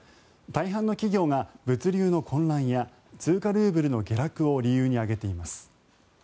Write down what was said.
大半の企業が物流の混乱や通貨・ルーブルの下落を理由に挙げています。